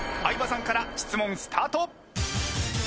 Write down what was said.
相葉さんから質問スタート。